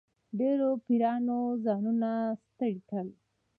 ډېرو پیرانو ځانونه ستړي کړل.